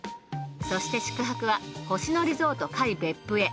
そして宿泊は星野リゾート界別府へ。